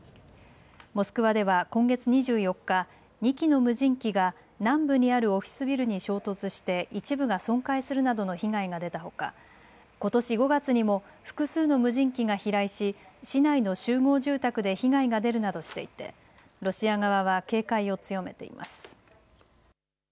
モスクワでは今月２４日、２機の無人機が南部にあるオフィスビルに衝突して一部が損壊するなどの被害が出たほか、ことし５月にも複数の無人機が飛来し市内の集合住宅で被害が出るなどしていてロシア側は警戒を強めています。